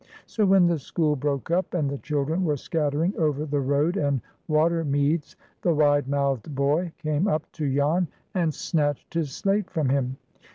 So when the school broke up, and the children were scattering over the road and water meads, the wide mouthed boy came up to Jan and snatched his slate from him.